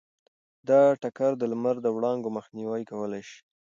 دا ټکر د لمر د وړانګو مخنیوی کولی شي.